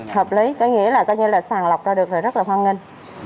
hợp lý có nghĩa là coi như là sàng lọc ra được rồi rất là hoan nghênh